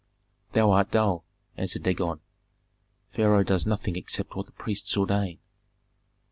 "Thou art dull!" answered Dagon. "Pharaoh does nothing except what the priests ordain."